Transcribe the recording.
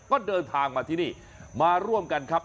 ก็เดินทางมาที่นี่มาร่วมกันครับ